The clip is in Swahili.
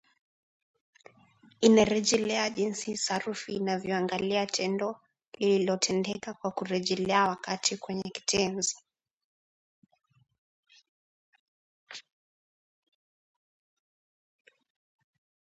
inarejelea jinsi sarufi inavyoangalia tendo linalotendeka kwa kurejelea wakati kwenye kitenzi